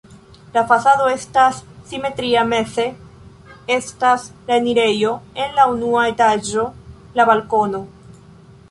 La fasado estas simetria, meze estas la enirejo, en la unua etaĝo la balkono.